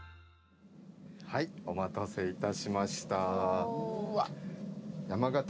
お待たせいたしました。